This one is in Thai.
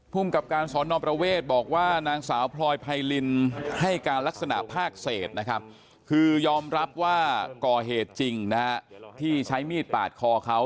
กับการสอนอประเวทบอกว่านางสาวพลอยไพรินให้การลักษณะภาคเศษนะครับคือยอมรับว่าก่อเหตุจริงนะฮะที่ใช้มีดปาดคอเขา